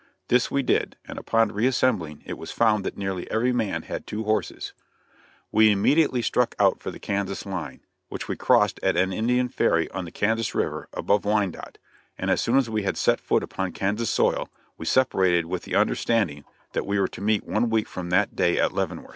This we did, and upon reassembling it was found that nearly every man had two horses. We immediately struck out for the Kansas line, which we crossed at an Indian ferry on the Kansas river, above Wyandotte, and as soon as we had set foot upon Kansas soil we separated with the understanding; that we were to meet one week from that day at Leavenworth.